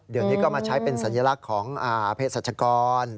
เดี๋ยวนี้ก็มาใช้เป็นสัญลักษณ์ของเพศรัชกร